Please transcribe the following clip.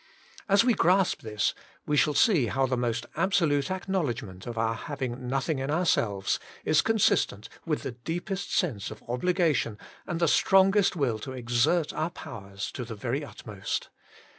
As we grasp this we shall see how the most absolute acknowledgment of our having nothing in ourselves is consistent with the deepest sense of obligation and the strongest will to exert our powers to the yo Working for God very utmost.